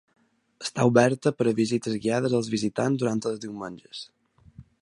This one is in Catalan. Està oberta per a visites guiades als visitants durant els diumenges.